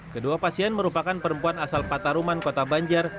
kedua pasien merupakan perempuan asal pataruman kota banjar